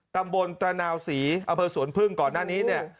ตำบลตระนาวศรีอำเภอสวนพึ่งก่อนหน้านี้เนี่ย